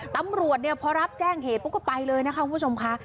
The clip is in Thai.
ตำรวจพอรับแจ้งเหตุปุ๊กก็ไปเลยคุณผู้ชมค่ะ